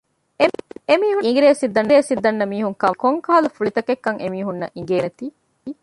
އެމީހުންނަކީ އިނގިރޭސި ދަންނަ މީހުން ކަމުން އެއީ ކޮންކަހަލަ ފުޅި ތަކެއްކަން އެމީހުންނަށް އިނގޭނެތީ